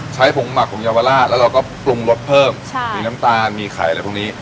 ผงหมักผงเยาวราชแล้วเราก็ปรุงรสเพิ่มใช่มีน้ำตาลมีไข่อะไรพวกนี้